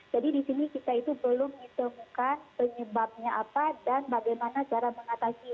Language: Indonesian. jadi di sini kita itu belum menemukan penyebabnya apa dan bagaimana cara mengatasi